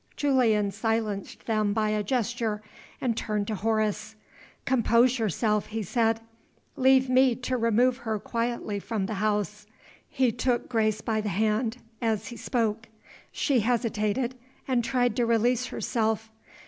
Julian silenced them by a gesture, and turned to Horace. "Compose yourself," he said. "Leave me to remove her quietly from the house." He took Grace by the hand as he spoke. She hesitated, and tried to release herself.